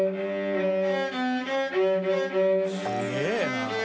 「すげえな」